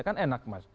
kan enak mas